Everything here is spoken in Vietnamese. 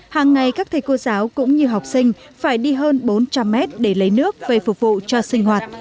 hàng ngày các thầy cô giáo cũng như học sinh phải đi hơn bốn trăm linh mét để lấy nước về phục vụ cho sinh hoạt